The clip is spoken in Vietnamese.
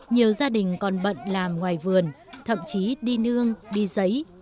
nhiều gia đình còn bận làm ngoài vườn thậm chí đi nương đi giấy